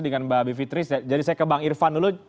dengan mba bivitri jadi saya ke bang irvan dulu